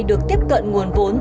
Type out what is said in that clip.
được tiếp cận nguồn vốn